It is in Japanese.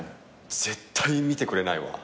絶対見てくれないわ。